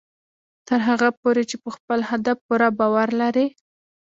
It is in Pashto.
تر هغه پورې چې په خپل هدف پوره باور لرئ